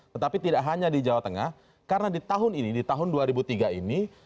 tetapi tidak hanya di jawa tengah karena di tahun ini di tahun dua ribu tiga ini